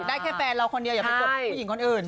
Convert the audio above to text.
แค่แฟนเราคนเดียวอย่าไปกดผู้หญิงคนอื่น